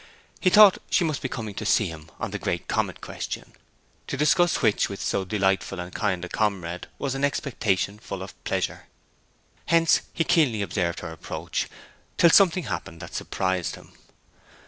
He thought she must be coming to see him on the great comet question, to discuss which with so delightful and kind a comrade was an expectation full of pleasure. Hence he keenly observed her approach, till something happened that surprised him.